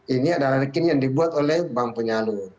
ini adalah rekening yang dibuat oleh bank penyalur